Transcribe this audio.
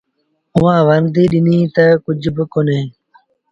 اُئآݩٚ ورنديٚ ڏنيٚ تا، ”ڪجھ با ڪونهي۔